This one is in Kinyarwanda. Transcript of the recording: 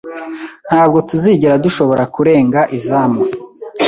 Ntabwo tuzigera dushobora kurenga izamu